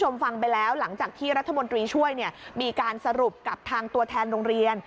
มีช่วยมีการสรุปกับทางตัวแทนโรงเรียน